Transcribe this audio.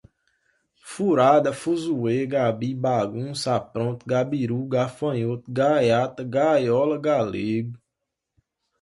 furada, fuzuê, gabi, bagunça, apronto, gabirú, gafanhoto, gaiata, gaiola, galego